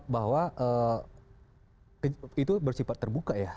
bahwa itu bersifat terbuka ya